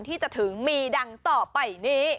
ที่จะถึงมีดังต่อไปนี้